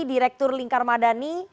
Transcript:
direktur lingkar madani